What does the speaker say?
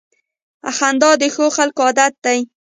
• خندا د ښو خلکو عادت دی.